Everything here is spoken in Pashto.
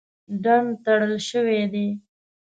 ډنډ تړل شوی دی.